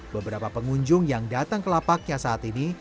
beberapa pengunjung yang datang ke lapaknya saat ini